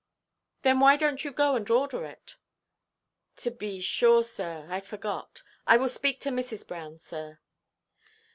"Then why donʼt you go and order it?" "To be sure, sir; I forgot. I will speak to Mrs. Brown, sir."